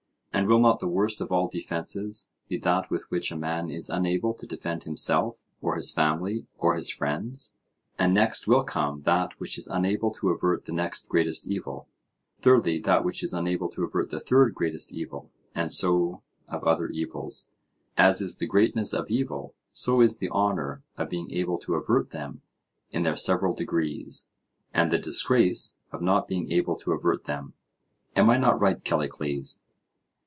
And will not the worst of all defences be that with which a man is unable to defend himself or his family or his friends?—and next will come that which is unable to avert the next greatest evil; thirdly that which is unable to avert the third greatest evil; and so of other evils. As is the greatness of evil so is the honour of being able to avert them in their several degrees, and the disgrace of not being able to avert them. Am I not right Callicles?